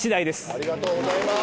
ありがとうございます。